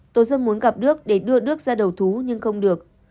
tôi rất muốn gặp đức để đưa đức ra đầu thú nhưng không được